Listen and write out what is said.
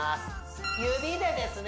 指でですね